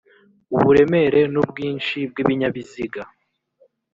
uburemere n’ubwinshi bw’ibinyabiziga